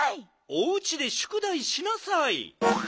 おうちでしゅくだいしなさい！